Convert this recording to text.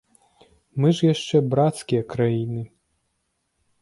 Мы ж яшчэ брацкія краіны.